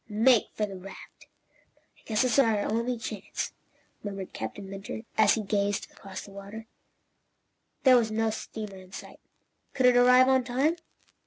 "Make for the raft!" "I guess it's our only chance," murmured Captain Mentor, as he gazed across the water. There was no steamer in sight. Could it arrive on time?